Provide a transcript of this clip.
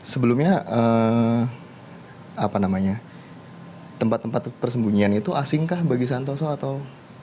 sebelumnya tempat tempat persembunyian itu asing kah bagi santoso atau